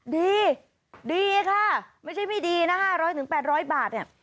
ดีดีค่ะไม่ใช่ไม่ดีนะห้าร้อยถึงแปดร้อยบาทเนี่ย